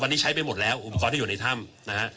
ตอนนี้ใช้ไปหมดแล้วอุปกรณ์ที่อยู่ในถ้ำนะฮะ